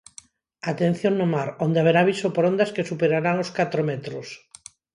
Atención no mar, onde haberá aviso por ondas que superarán os catro metros.